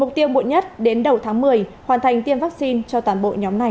mục tiêu muộn nhất đến đầu tháng một mươi hoàn thành tiêm vaccine cho toàn bộ nhóm này